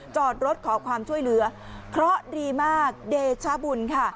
จอดรถขอความช่วยเหลือเคราะห์ดีมากเดชบุญค่ะ